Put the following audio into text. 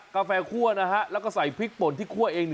กาแฟคั่วนะฮะแล้วก็ใส่พริกป่นที่คั่วเอง